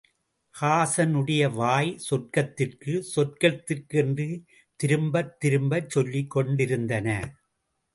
ஹாஸனுடைய வாய் சொர்க்கத்திற்கு, சொர்க்கத்திற்கு என்று திரும்பத் திரும்பச் சொல்லிக் கொண்டிருந்தன!